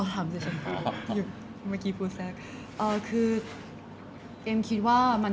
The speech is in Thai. ตอนนี้แฟน